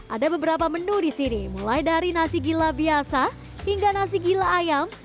ada beberapa menu di sini mulai dari nasi gila biasa hingga nasi gila ayam